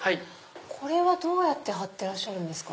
これはどうやって貼ってらっしゃるんですか？